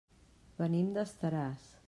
Venim d'Estaràs.